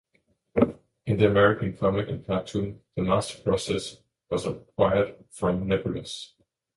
In the American comic and cartoon, the Master process was acquired from Nebulos.